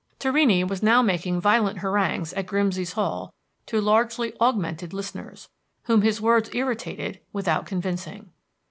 Torrini was now making violent harangues at Grimsey's Hall to largely augmented listeners, whom his words irritated without convincing.